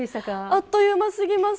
あっという間すぎます。